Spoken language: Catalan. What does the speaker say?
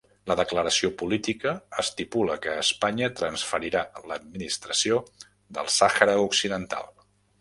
La declaració política estipula que Espanya transferirà l'administració del Sàhara Occidental.